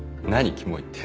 キモいって。